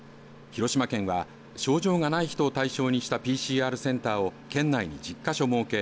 広島県は症状がない人を対象にしたＰＣＲセンターを県内１０か所設け